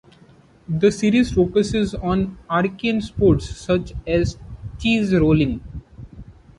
The series focuses on arcane sports, such as cheese rolling.